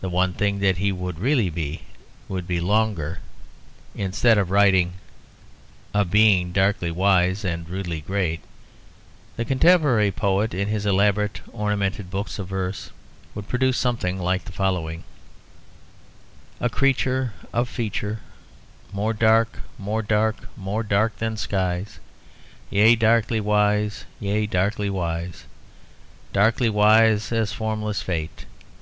The one thing that he would really be, would be longer. Instead of writing, "A being darkly wise and rudely great," the contemporary poet, in his elaborately ornamented book of verses, would produce something like the following: "A creature Of feature More dark, more dark, more dark than skies, Yea, darkly wise, yea, darkly wise: Darkly wise as a formless fate.